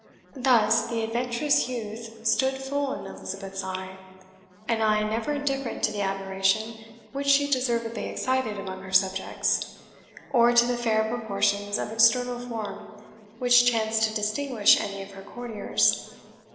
Thus the adventurous youth stood full in Elizabeth's eye an eye never indifferent to the admiration which she deservedly excited among her subjects, or to the fair proportions of external form which chanced to distinguish any of her courtiers.